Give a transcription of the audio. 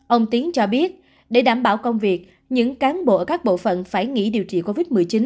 ông tiến cho biết để đảm bảo công việc những cán bộ ở các bộ phận phải nghỉ điều trị covid một mươi chín